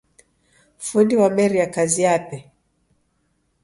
Fundi wameria kazi yape